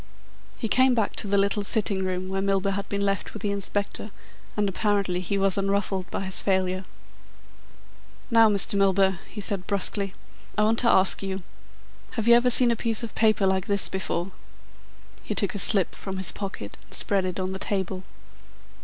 He came back to the little sitting room where Milburgh had been left with the Inspector and apparently he was unruffled by his failure. "Now, Mr. Milburgh," he said brusquely, "I want to ask you: Have you ever seen a piece of paper like this before?" He took a slip from his pocket and spread it on the table.